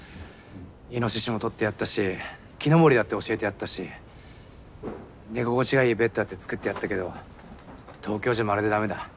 いのししも獲ってやったし木登りだって教えてやったし寝心地がいいベッドだって作ってやったけど東京じゃまるでダメだ。